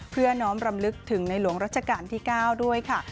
เพื่อน้อมรำลึกถึงในหลวงรัชกาลที่๙ด้วยค่ะ